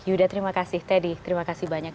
yuda terima kasih teddy terima kasih banyak